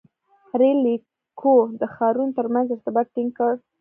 • رېل لیکو د ښارونو تر منځ ارتباط ټینګ کړ.